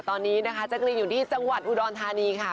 ตอนนี้นะคะแจ๊กรีนอยู่ที่จังหวัดอุดรธานีค่ะ